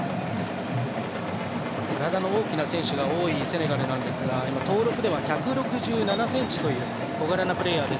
体の大きな選手が多いセネガルなんですが登録では１６７ｃｍという小柄なプレーヤーです。